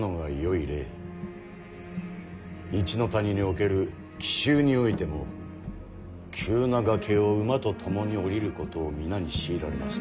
一ノ谷における奇襲においても急な崖を馬と共に下りることを皆に強いられました。